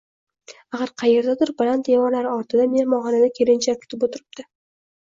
Axir, qaerdadir, baland devorlar ortida, mehmonxonada kelinchak kutib o`tiribdi